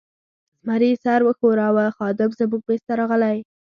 زمري سر و ښوراوه، خادم زموږ مېز ته راغلی.